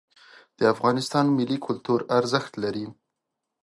د افغانستان ملي کلتور ارزښت لري.